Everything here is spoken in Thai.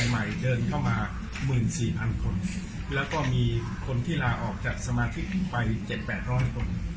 วันใหม่เดินเข้ามาหมื่นสี่พันคนแล้วก็มีคนที่ลาออกจากสมาธิกไปเจ็ดแปดร้อยคน